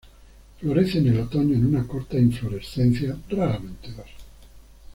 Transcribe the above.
Florece en el otoño en una corta inflorescencia, raramente dos.